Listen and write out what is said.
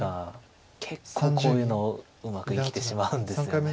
結構こういうのをうまく生きてしまうんですよね。